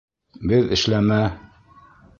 — Беҙ эшләмә...